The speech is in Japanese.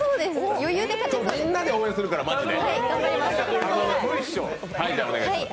みんなで応援するからマジで。